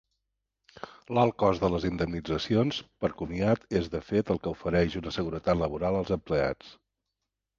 L'alt cost de les indemnitzacions per comiat és, de fet, el que ofereix una seguretat laboral als empleats.